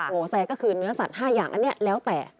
โหแซก็คือเนื้อสัตว์๕อย่างอันนี้แล้วแต่